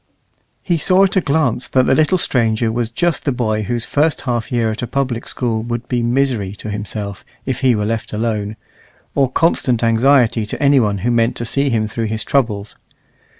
He saw at a glance that the little stranger was just the boy whose first half year at a public school would be misery to himself if he were left alone, or constant anxiety to any one who meant to see him through his troubles.